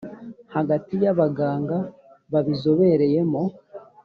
hagati y abaganga babizobereyemo